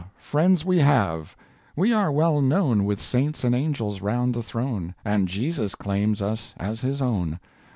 friends we have, we are well known With saints and angels round the throne, And Jesus claims us as his own.